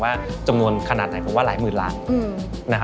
ว่าจำนวนขนาดไหนผมว่าหลายหมื่นล้าน